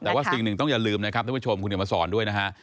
แต่ว่าสิ่งหนึ่งต้องอย่าลืมนะครับท่านผู้ชมคุณเดี๋ยวมาสอนด้วยนะฮะ